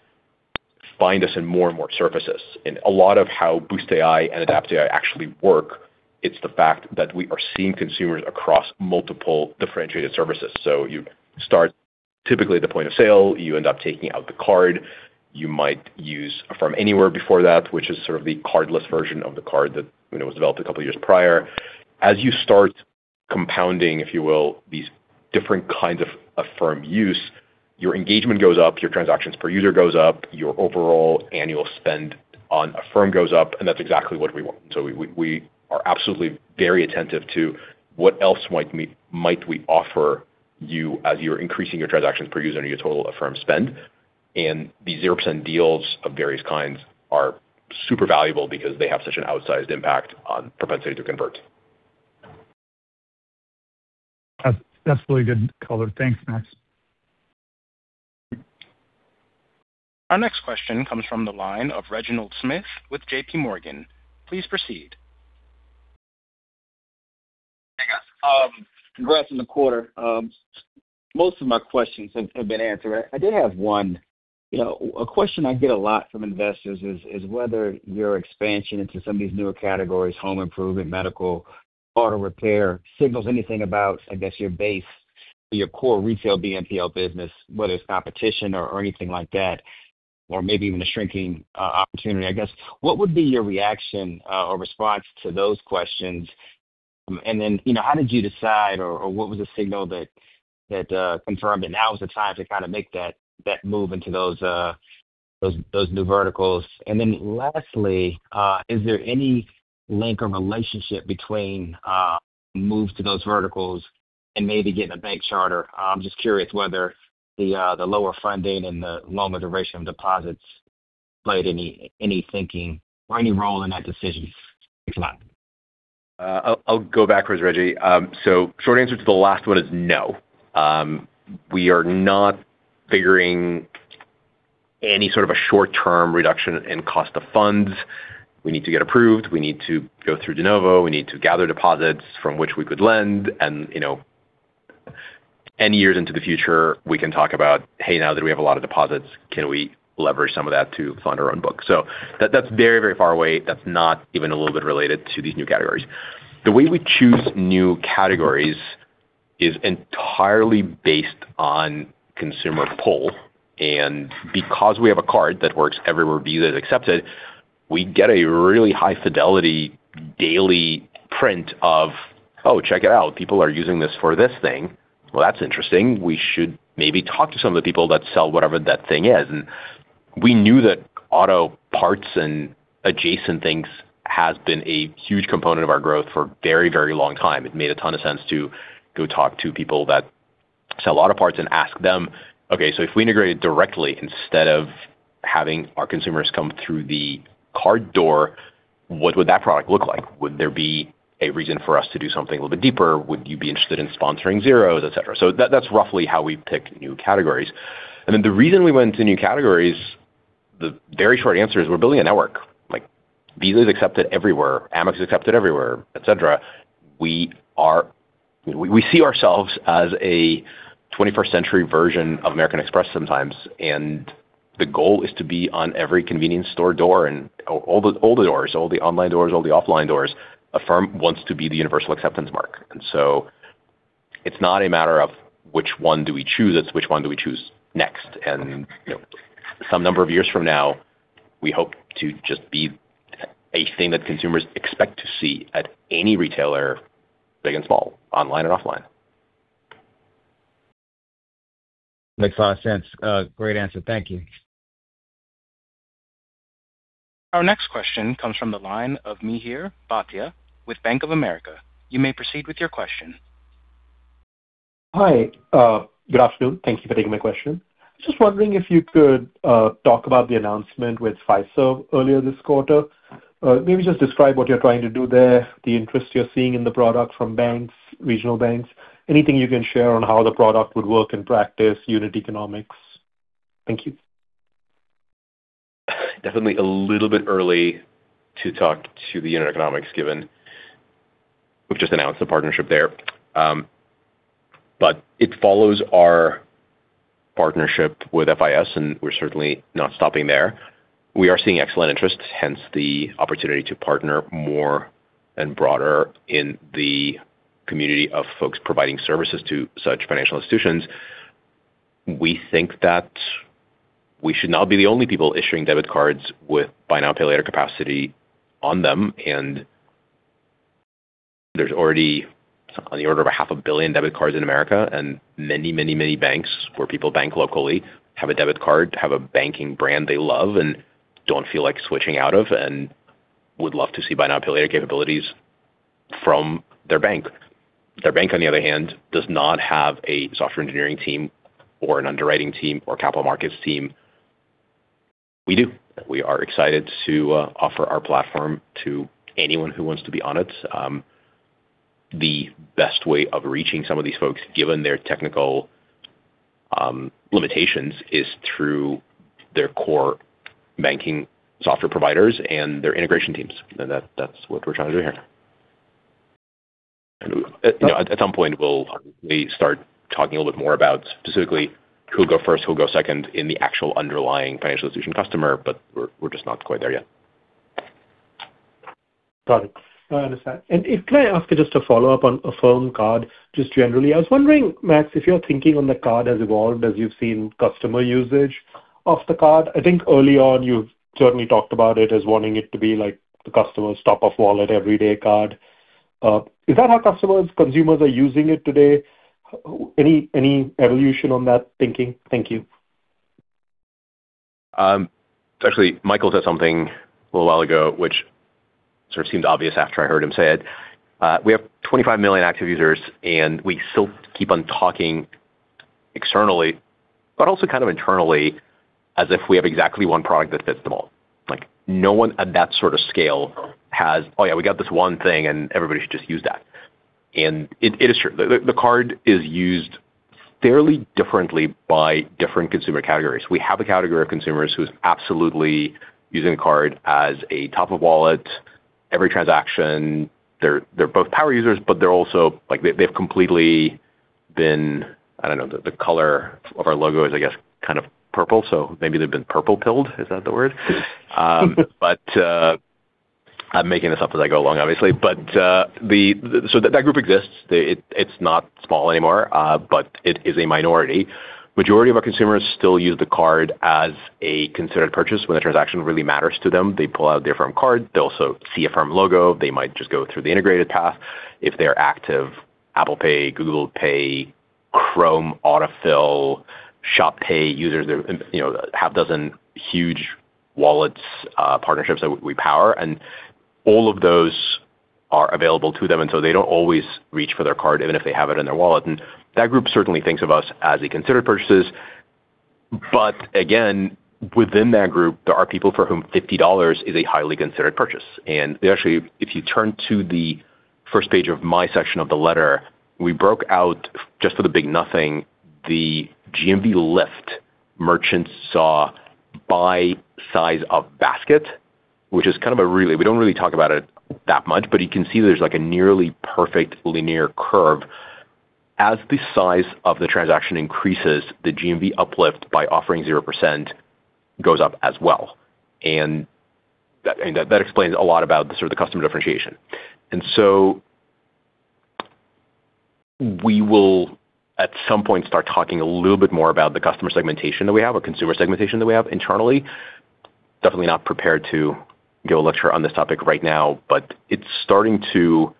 find us in more and more services. And a lot of how Boost AI and AdaptAI actually work, it's the fact that we are seeing consumers across multiple differentiated services. So you start typically at the point of sale, you end up taking out the card. You might use Affirm Anywhere before that, which is sort of the cardless version of the card that, you know, was developed a couple years prior. As you start compounding, if you will, these different kinds of Affirm use, your engagement goes up, your transactions per user goes up, your overall annual spend on Affirm goes up, and that's exactly what we want. We are absolutely very attentive to what else might we offer you as you're increasing your transactions per user and your total Affirm spend. The 0% deals of various kinds are super valuable because they have such an outsized impact on propensity to convert. That's really good color. Thanks, Max. Our next question comes from the line of Reginald Smith with JPMorgan. Please proceed. Hey, guys, congrats on the quarter. Most of my questions have been answered. I did have one. You know, a question I get a lot from investors is whether your expansion into some of these newer categories, home improvement, medical, auto repair, signals anything about, I guess, your base or your core retail BNPL business, whether it's competition or anything like that, or maybe even a shrinking opportunity. I guess, what would be your reaction or response to those questions? And then, you know, how did you decide or what was the signal that confirmed that now is the time to kind of make that move into those new verticals? And then lastly, is there any link or relationship between moves to those verticals and maybe getting a bank charter? I'm just curious whether the lower funding and the longer duration of deposits played any role in that decision if not? I'll go backwards, Reggie. So short answer to the last one is no. We are not figuring any sort of a short-term reduction in cost of funds. We need to get approved. We need to go through de novo. We need to gather deposits from which we could lend and, you know, any years into the future, we can talk about, "Hey, now that we have a lot of deposits, can we leverage some of that to fund our own book?" So that's very, very far away. That's not even a little bit related to these new categories. The way we choose new categories is entirely based on consumer pull, and because we have a card that works everywhere Visa is accepted, we get a really high fidelity daily print of, "Oh, check it out, people are using this for this thing. Well, that's interesting. We should maybe talk to some of the people that sell whatever that thing is." And we knew that auto parts and adjacent things has been a huge component of our growth for a very, very long time. It made a ton of sense to go talk to people that sell auto parts and ask them, "Okay, so if we integrated directly instead of having our consumers come through the card door, what would that product look like? Would there be a reason for us to do something a little bit deeper? Would you be interested in sponsoring zero, et cetera?" So that's roughly how we pick new categories. And then the reason we went to new categories, the very short answer is we're building a network. Like, Visa is accepted everywhere, Amex is accepted everywhere, et cetera. We see ourselves as a 21st century version of American Express sometimes, and the goal is to be on every convenience store door and all the doors, all the online doors, all the offline doors. Affirm wants to be the universal acceptance mark, and so it's not a matter of which one do we choose, it's which one do we choose next. And, you know, some number of years from now, we hope to just be a thing that consumers expect to see at any retailer, big and small, online and offline. Makes a lot of sense. Great answer. Thank you. Our next question comes from the line of Mihir Bhatia with Bank of America. You may proceed with your question. Hi, good afternoon. Thank you for taking my question. Just wondering if you could talk about the announcement with Fiserv earlier this quarter. Maybe just describe what you're trying to do there, the interest you're seeing in the product from banks, regional banks. Anything you can share on how the product would work in practice, unit economics. Thank you. Definitely a little bit early to talk to the unit economics, given we've just announced the partnership there. But it follows our partnership with FIS, and we're certainly not stopping there. We are seeing excellent interest, hence the opportunity to partner more and broader in the community of folks providing services to such financial institutions. We think that we should not be the only people issuing debit cards with Buy Now, Pay Later capacity on them, and there's already on the order of 500 million debit cards in America, and many, many, many banks, where people bank locally, have a debit card, have a banking brand they love and don't feel like switching out of and would love to see Buy Now, Pay Later capabilities from their bank. Their bank, on the other hand, does not have a software engineering team or an underwriting team or capital markets team. We do. We are excited to offer our platform to anyone who wants to be on it. The best way of reaching some of these folks, given their technical limitations, is through their core banking software providers and their integration teams, and that's what we're trying to do here. You know, at some point, we'll start talking a little bit more about specifically who'll go first, who'll go second in the actual underlying financial institution customer, but we're just not quite there yet. Got it. I understand. Can I ask you just a follow-up on Affirm Card, just generally? I was wondering, Max, if your thinking on the card has evolved as you've seen customer usage of the card. I think early on, you've certainly talked about it as wanting it to be like the customer's top of wallet, everyday card. Is that how customers, consumers are using it today? Any, any evolution on that thinking? Thank you. Actually, Michael said something a little while ago, which sort of seemed obvious after I heard him say it. We have 25 million active users, and we still keep on talking externally, but also kind of internally, as if we have exactly one product that fits them all. Like, no one at that sort of scale has, "Oh, yeah, we got this one thing, and everybody should just use that." And it, it is true. The, the card is used fairly differently by different consumer categories. We have a category of consumers who are absolutely using the card as a top-of-wallet. Every transaction, they're, they're both power users, but they're also like... They've, they've completely been, I don't know, the, the color of our logo is, I guess, kind of purple, so maybe they've been purple-pilled. Is that the word? I'm making this up as I go along, obviously. But that group exists. It's not small anymore, but it is a minority. Majority of our consumers still use the card as a considered purchase. When the transaction really matters to them, they pull out their Affirm Card. They also see Affirm logo. They might just go through the integrated path. If they're active Apple Pay, Google Pay, Chrome Autofill, Shop Pay users, there you know half dozen huge wallets partnerships that we power, and all of those are available to them, and so they don't always reach for their card, even if they have it in their wallet. And that group certainly thinks of us as they consider purchases. But again, within that group, there are people for whom $50 is a highly considered purchase. Actually, if you turn to the first page of my section of the letter, we broke out just for the big nothing, the GMV lift merchants saw by size of basket, which is kind of a really, we don't really talk about it that much, but you can see there's like a nearly perfect linear curve. As the size of the transaction increases, the GMV uplift by offering 0% goes up as well. And that, and that explains a lot about the sort of the customer differentiation. And so we will, at some point, start talking a little bit more about the customer segmentation that we have or consumer segmentation that we have internally. Definitely not prepared to give a lecture on this topic right now, but it's starting to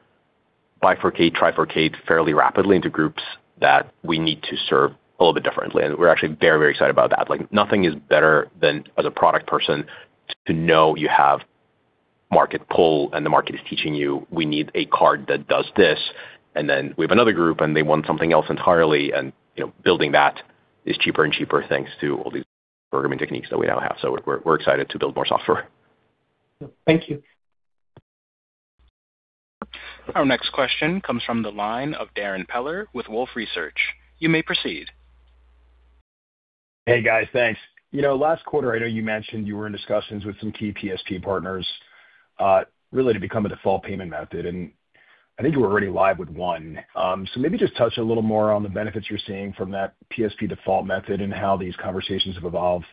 bifurcate, trifurcate fairly rapidly into groups that we need to serve a little bit differently. We're actually very, very excited about that. Like, nothing is better than, as a product person, to know you have market pull, and the market is teaching you, we need a card that does this, and then we have another group, and they want something else entirely, and, you know, building that is cheaper and cheaper, thanks to all these programming techniques that we now have. So we're, we're excited to build more software. Thank you. Our next question comes from the line of Darrin Peller with Wolfe Research. You may proceed. Hey, guys, thanks. You know, last quarter, I know you mentioned you were in discussions with some key PSP partners, really to become a default payment method, and I think you were already live with one. So maybe just touch a little more on the benefits you're seeing from that PSP default method and how these conversations have evolved.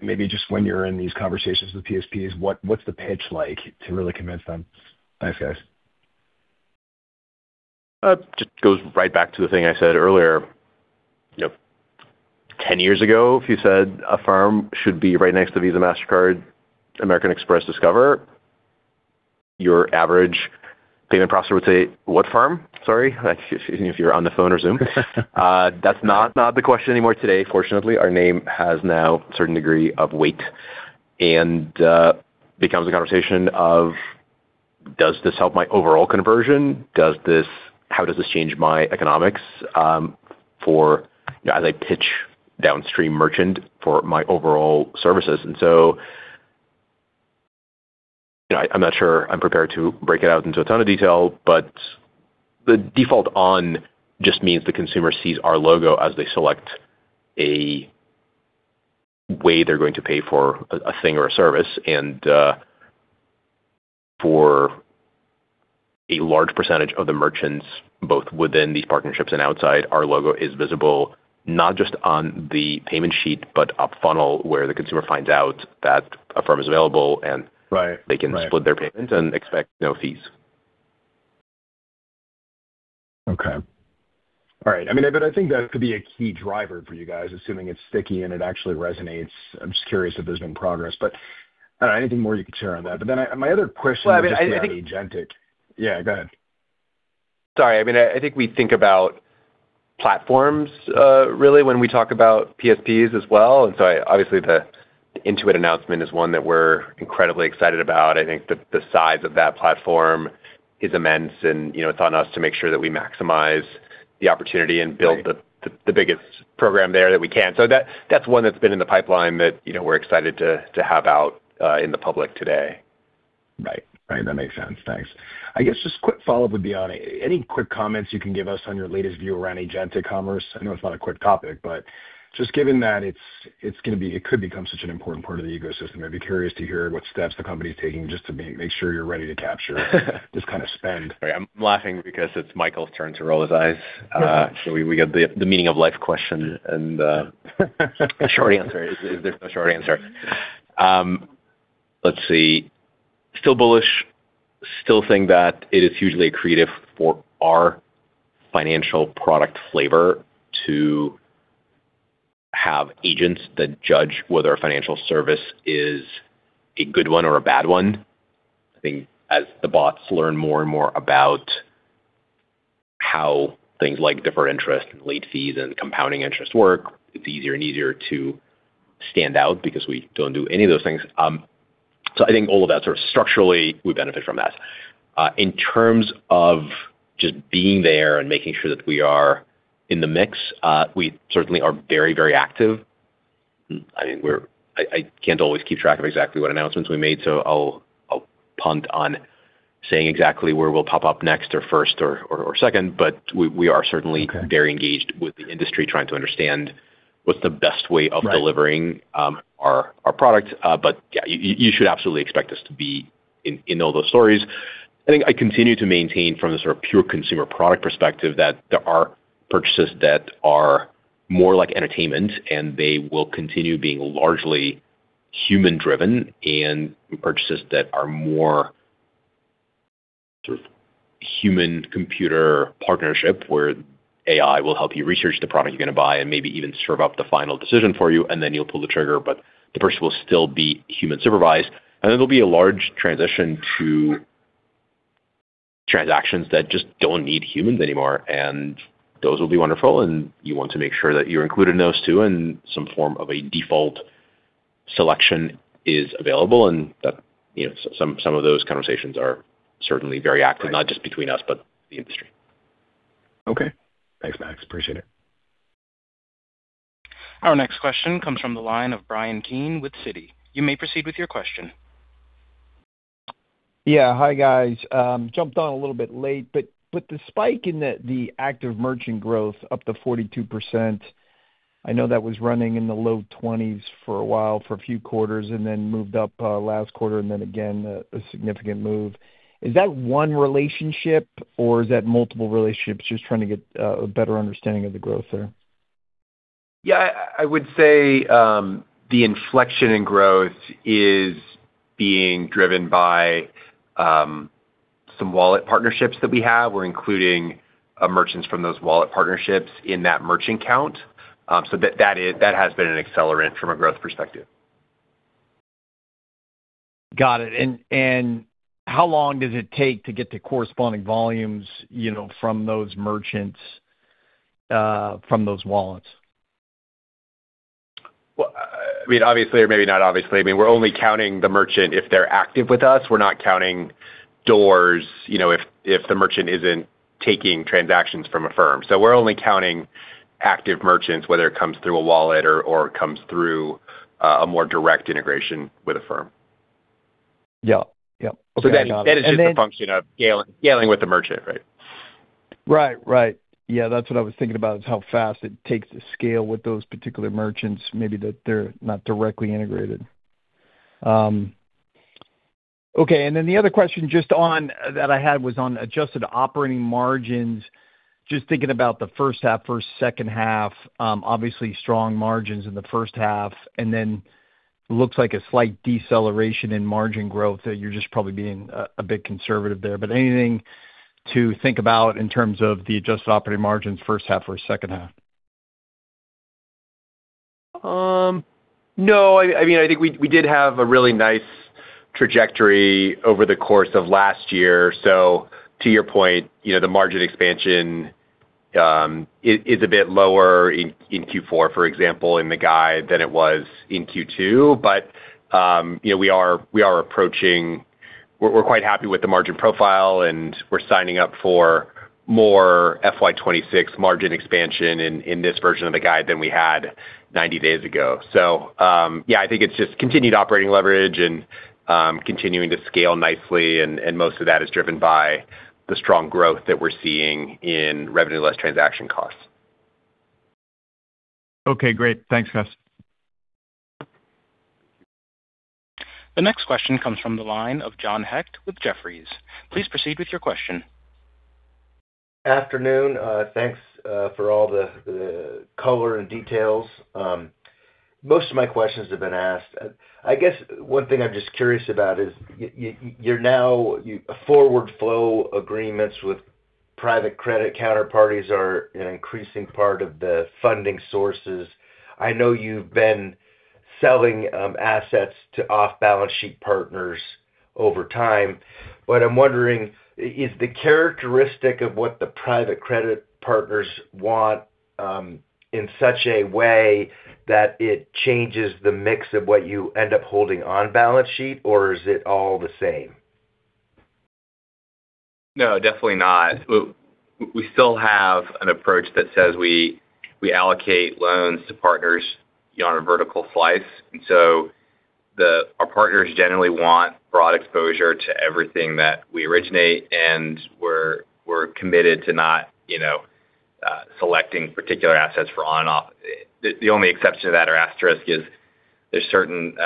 Maybe just when you're in these conversations with PSPs, what's the pitch like to really convince them? Thanks, guys. Just goes right back to the thing I said earlier. You know, 10 years ago, if you said Affirm should be right next to Visa, Mastercard, American Express, Discover, your average payment processor would say, "What firm? Sorry," if you're on the phone or Zoom. That's not, not the question anymore today. Fortunately, our name has now a certain degree of weight and becomes a conversation of, does this help my overall conversion? Does this, how does this change my economics, for, you know, as I pitch downstream merchant for my overall services? And so, I'm not sure I'm prepared to break it out into a ton of detail, but the default-on just means the consumer sees our logo as they select a way they're going to pay for a, a thing or a service. For a large percentage of the merchants, both within these partnerships and outside, our logo is visible, not just on the payment sheet, but up funnel, where the consumer finds out that Affirm is available, and. Right. They can split their payment and expect no fees. Okay. All right. I mean, but I think that could be a key driver for you guys, assuming it's sticky and it actually resonates. I'm just curious if there's been progress, but I don't know, anything more you could share on that. But then, my other question was just on agentic. Well, I mean, I think- Yeah, go ahead. Sorry. I mean, I think we think about platforms, really when we talk about PSPs as well. And so I—obviously, the Intuit announcement is one that we're incredibly excited about. I think the size of that platform is immense, and, you know, it's on us to make sure that we maximize the opportunity- Right.... And build the biggest program there that we can. So that's one that's been in the pipeline that, you know, we're excited to have out in the public today. Right. Right, that makes sense. Thanks. I guess just quick follow-up would be on any quick comments you can give us on your latest view around agentic commerce? I know it's not a quick topic, but just given that it's gonna be, it could become such an important part of the ecosystem, I'd be curious to hear what steps the company is taking just to make sure you're ready to capture this kind of spend. I'm laughing because it's Michael's turn to roll his eyes. So we got the meaning of life question, and the short answer is, there's no short answer. Let's see. Still bullish, still think that it is hugely accretive for our financial product flavor to have agents that judge whether a financial service is a good one or a bad one. I think as the bots learn more and more about how things like deferred interest and late fees and compounding interest work, it's easier and easier to stand out because we don't do any of those things. So I think all of that sort of structurally, we benefit from that. In terms of just being there and making sure that we are in the mix, we certainly are very, very active. I mean, we're—I can't always keep track of exactly what announcements we made, so I'll punt on saying exactly where we'll pop up next or first or second, but we are certainly- Okay.... Very engaged with the industry, trying to understand what's the best way of delivering- Right.... Our product. But, yeah, you should absolutely expect us to be in all those stories. I think I continue to maintain, from the sort of pure consumer product perspective, that there are purchases that are more like entertainment, and they will continue being largely human-driven and purchases that are more sort of human-computer partnership, where AI will help you research the product you're going to buy and maybe even serve up the final decision for you, and then you'll pull the trigger, but the purchase will still be human-supervised. And there'll be a large transition to transactions that just don't need humans anymore, and those will be wonderful, and you want to make sure that you're included in those, too, in some form of a default-... Selection is available, and that, you know, some of those conversations are certainly very active, not just between us, but the industry. Okay. Thanks, Max. Appreciate it. Our next question comes from the line of Bryan Keane with Citi. You may proceed with your question. Yeah, hi, guys. Jumped on a little bit late, but the spike in the active merchant growth up to 42%, I know that was running in the low 20s for a while, for a few quarters, and then moved up last quarter, and then again, a significant move. Is that one relationship or is that multiple relationships? Just trying to get a better understanding of the growth there. Yeah, I would say, the inflection in growth is being driven by, some wallet partnerships that we have. We're including, merchants from those wallet partnerships in that merchant count. So that is- that has been an accelerant from a growth perspective. Got it. And how long does it take to get to corresponding volumes, you know, from those merchants, from those wallets? Well, I mean, obviously or maybe not obviously, I mean, we're only counting the merchant if they're active with us. We're not counting doors, you know, if the merchant isn't taking transactions from Affirm. So we're only counting active merchants, whether it comes through a wallet or it comes through a more direct integration with Affirm. Yeah. Yep. That is just a function of scaling, scaling with the merchant, right? Right. Right. Yeah, that's what I was thinking about, is how fast it takes to scale with those particular merchants, maybe that they're not directly integrated. Okay, and then the other question just on, that I had was on adjusted operating margins. Just thinking about the first half versus second half, obviously strong margins in the first half, and then looks like a slight deceleration in margin growth, that you're just probably being a bit conservative there. But anything to think about in terms of the adjusted operating margins, first half versus second half? No, I mean, I think we did have a really nice trajectory over the course of last year. So to your point, you know, the margin expansion is a bit lower in Q4, for example, in the guide, than it was in Q2. But you know, we are approaching... We're quite happy with the margin profile, and we're signing up for more FY 2026 margin expansion in this version of the guide than we had 90 days ago. So yeah, I think it's just continued operating leverage and continuing to scale nicely, and most of that is driven by the strong growth that we're seeing in revenue less transaction costs. Okay, great. Thanks, guys. The next question comes from the line of John Hecht with Jefferies. Please proceed with your question. Afternoon. Thanks for all the color and details. Most of my questions have been asked. I guess one thing I'm just curious about is you're now forward flow agreements with private credit counterparties are an increasing part of the funding sources. I know you've been selling assets to off-balance sheet partners over time, but I'm wondering, is the characteristic of what the private credit partners want in such a way that it changes the mix of what you end up holding on balance sheet, or is it all the same? No, definitely not. We still have an approach that says we, we allocate loans to partners on a vertical slice. And so our partners generally want broad exposure to everything that we originate, and we're, we're committed to not, you know, selecting particular assets for on/off. The only exception to that or asterisk is there's certain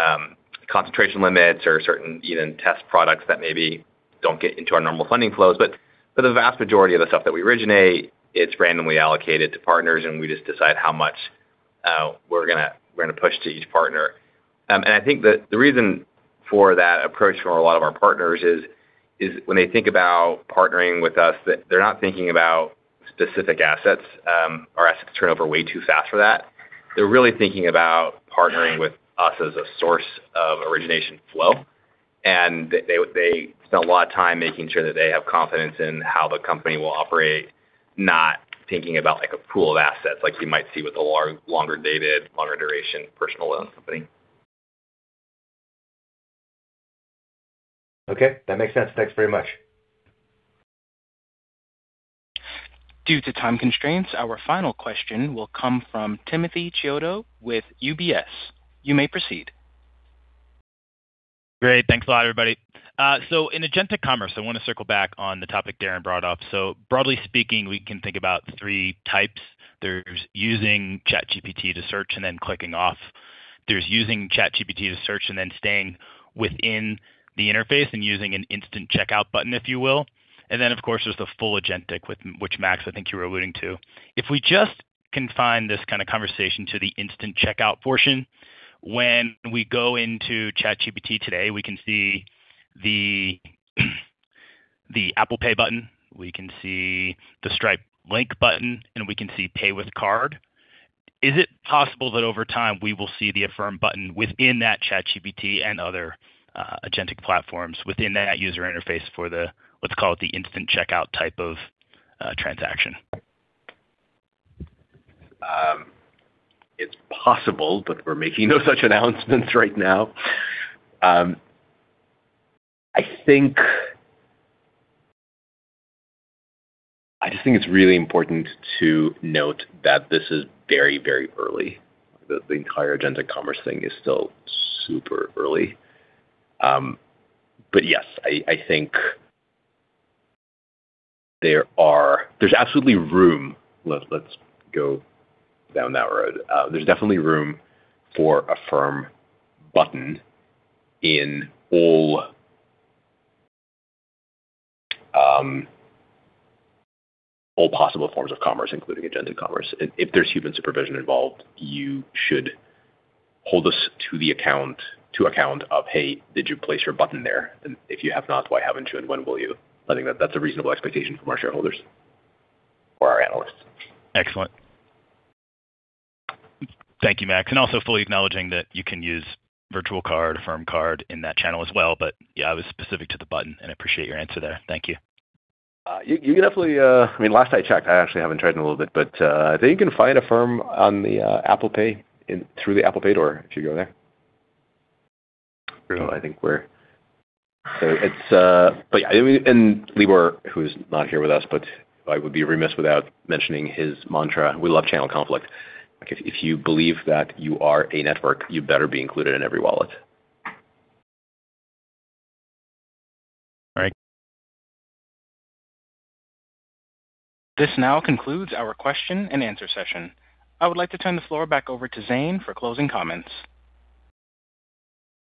concentration limits or certain even test products that maybe don't get into our normal funding flows. But for the vast majority of the stuff that we originate, it's randomly allocated to partners, and we just decide how much we're gonna, we're gonna push to each partner. And I think the reason for that approach from a lot of our partners is, is when they think about partnering with us, they're not thinking about specific assets, our assets turn over way too fast for that. They're really thinking about partnering with us as a source of origination flow, and they spend a lot of time making sure that they have confidence in how the company will operate, not thinking about, like, a pool of assets, like you might see with a longer-dated, longer-duration personal loan company. Okay, that makes sense. Thanks very much. Due to time constraints, our final question will come from Timothy Chiodo with UBS. You may proceed. Great. Thanks a lot, everybody. So in agentic commerce, I want to circle back on the topic Darren brought up. So broadly speaking, we can think about three types. There's using ChatGPT to search and then clicking off. There's using ChatGPT to search and then staying within the interface and using an instant checkout button, if you will. And then, of course, there's the full agentic, with which, Max, I think you were alluding to. If we just confine this kind of conversation to the instant checkout portion, when we go into ChatGPT today, we can see the Apple Pay button, we can see the Stripe Link button, and we can see Pay with Card. Is it possible that over time we will see the Affirm button within that ChatGPT and other, agentic platforms within that user interface for the, let's call it the instant checkout type of, transaction?... It's possible, but we're making no such announcements right now. I think, I just think it's really important to note that this is very, very early. The entire agentic commerce thing is still super early. But yes, I think there are—there's absolutely room. Let's go down that road. There's definitely room for Affirm button in all, all possible forms of commerce, including agentic commerce. If there's human supervision involved, you should hold us to the account, to account of, "Hey, did you place your button there? And if you have not, why haven't you, and when will you?" I think that's a reasonable expectation from our shareholders or our analysts. Excellent. Thank you, Max. And also fully acknowledging that you can use virtual card, Affirm Card in that channel as well, but, yeah, I was specific to the button, and I appreciate your answer there. Thank you. You can definitely. I mean, last I checked, I actually haven't tried in a little bit, but I think you can find Affirm on the Apple Pay, in through the Apple Pay door if you go there. So I think we're. So it's, but yeah, and Libor, who's not here with us, but I would be remiss without mentioning his mantra, "We love channel conflict." If you believe that you are a network, you better be included in every wallet. All right. This now concludes our question and answer session. I would like to turn the floor back over to Zane for closing comments.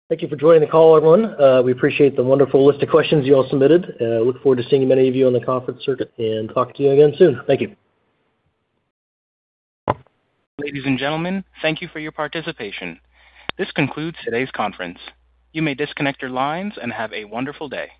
Thank you for joining the call, everyone. We appreciate the wonderful list of questions you all submitted, and I look forward to seeing many of you on the conference circuit and talk to you again soon. Thank you. Ladies and gentlemen, thank you for your participation. This concludes today's conference. You may disconnect your lines and have a wonderful day.